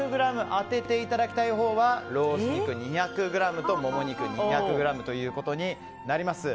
当てていただきたいほうはロース肉２００ｇとモモ肉２００ｇとなります。